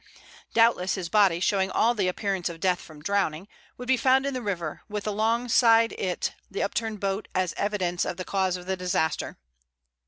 Doubtless his body, showing all the appearance of death from drowning, would be found in the river with alongside it the upturned boat as evidence of the cause of the disaster.